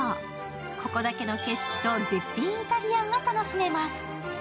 ここだけの景色と絶品イタリアンが楽しめます。